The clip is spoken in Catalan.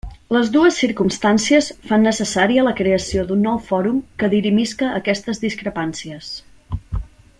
Les dues circumstàncies fan necessària la creació d'un nou fòrum que dirimisca aquestes discrepàncies.